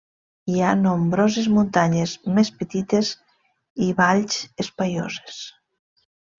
Hi ha nombroses muntanyes més petites i valls espaioses.